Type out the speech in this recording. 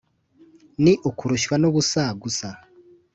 Ni ukurushywa n’ubusa gusa